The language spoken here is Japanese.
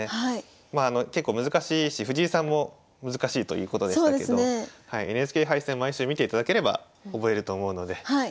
まあ結構難しいし藤井さんも難しいということでしたけどＮＨＫ杯戦毎週見ていただければ覚えると思うので。